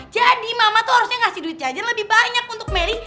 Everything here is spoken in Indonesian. jadi mama tuh harusnya ngasih duit jajan lebih banyak untuk meli